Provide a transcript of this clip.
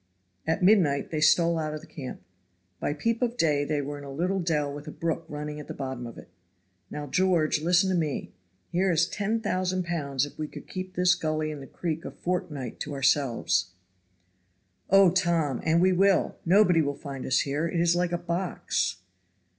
At midnight they stole out of the camp. By peep of day they were in a little dell with a brook running at the bottom of it. "Now, George, listen to me. Here is ten thousand pounds if we could keep this gully and the creek a fortnight to ourselves." "Oh, Tom! and we will. Nobody will find us here, it is like a box."